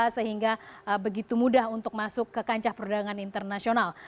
sehingga begitu mudah untuk masuk ke kancah perdagangan internasional